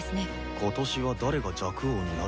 今年は誰が若王になるのか。